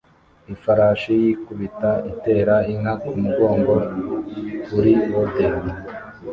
Ifarashi yikubita itera inka kumugongo kuri rodeo